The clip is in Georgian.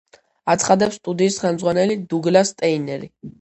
აცხადებს სტუდიის ხელმძღვანელი დუგლას სტეინერი.